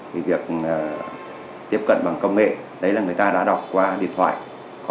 vì việc tiếp cận bằng công nghệ đấy là người ta đã đọc qua điện thoại có ba giờ bốn giờ